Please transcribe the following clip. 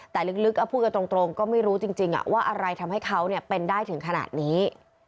แต่ลึกพูดกันตรงก็ไม่รู้จริงว่าอะไรทำให้เขาเป็นได้ถึงขนาดนี้